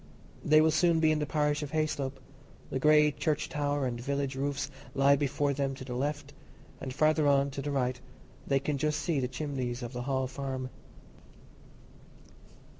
They will soon be in the parish of Hayslope; the grey church tower and village roofs lie before them to the left, and farther on, to the right, they can just see the chimneys of the Hall Farm.